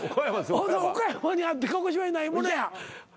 岡山にあって鹿児島にないものや。